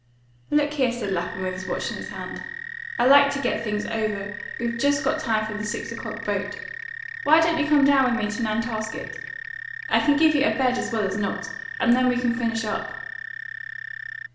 "Look here!" said Lapham, with his watch in his hand. "I like to get things over. We've just got time for the six o'clock boat. Why don't you come down with me to Nantasket? I can give you a bed as well as not. And then we can finish up."